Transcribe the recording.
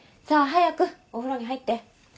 さあ早くお風呂に入って。